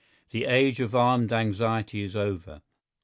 The age of armed anxiety is over.